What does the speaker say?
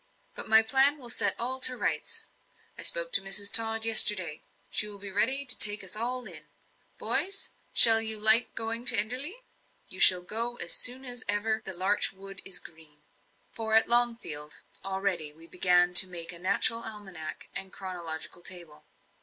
"But my plan will set all to rights. I spoke to Mrs. Tod yesterday. She will be ready to take us all in. Boys, shall you like going to Enderley? You shall go as soon as ever the larch wood is green." For, at Longfield, already we began to make a natural almanack and chronological table.